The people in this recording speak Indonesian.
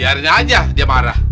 biarnya aja dia marah